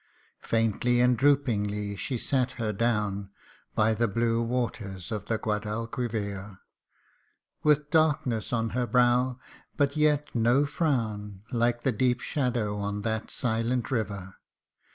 Faintly and droopingly she sat her down By the blue waters of the Guadalquivir ; With darkness on her brow, but yet no frown, Like the deep shadow on that silent river.